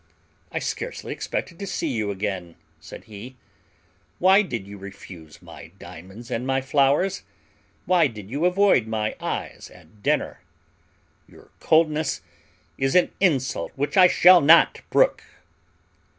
"I scarcely expected to see you again," said he. "Why did you refuse my diamonds and my flowers? Why did you avoid my eyes at dinner? Your coldness is an insult which I shall not brook."